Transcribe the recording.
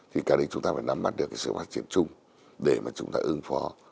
thì cả đấy chúng ta phải nắm mắt được cái sự phát triển chung để mà chúng ta ứng phó